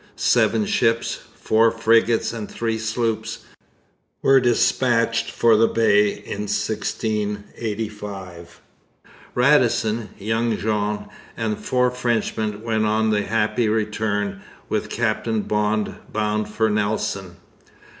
Seven ships four frigates and three sloops were dispatched for the Bay in 1685. Radisson, young Jean, and the four Frenchmen went on the Happy Return with Captain Bond bound for Nelson.